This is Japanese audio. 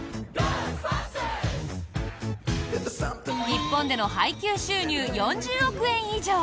日本での配給収入４０億円以上。